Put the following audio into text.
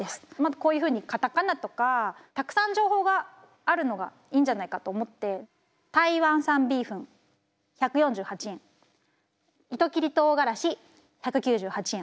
こういうふうにカタカナとかたくさん情報があるのがいいんじゃないかと思ってタイワンサンビーフン１４８円イトキリトウガラシ１９８円。